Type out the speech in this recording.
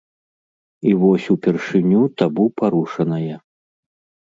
І вось упершыню табу парушанае.